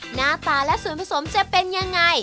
หน้าตาและส่วนผสมจะเป็นยังไง